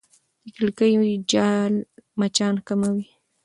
د کړکۍ جال مچان کموي.